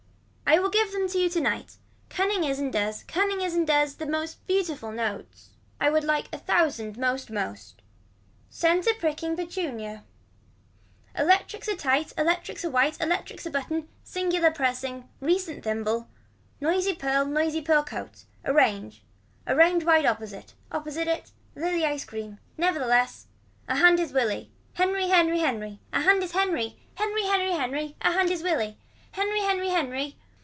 I will give them to you tonight. Cunning is and does cunning is and does the most beautiful notes. I would like a thousand most most. Center pricking petunia. Electrics are tight electrics are white electrics are a button. Singular pressing. Recent thimble. Noisy pearls noisy pearl coat. Arrange. Arrange wide opposite. Opposite it. Lily ice cream. Nevertheless. A hand is Willie. Henry Henry Henry. A hand is Henry. Henry Henry Henry. A hand is Willie. Henry Henry Henry.